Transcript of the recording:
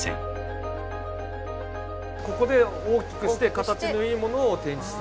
ここで大きくして形のいいものを展示すると。